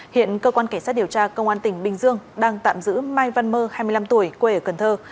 hiện cơ quan cảnh sát điều tra công an tỉnh bình dương đang tạm giữ mai văn mơ hai mươi năm tuổi quê ở cần thơ